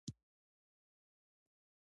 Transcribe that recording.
کتاب وايي چې دسترخوان باید په باغ کې اوار شي.